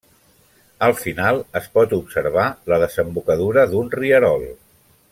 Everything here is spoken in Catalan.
Al final es pot observar la desembocadura d'un rierol.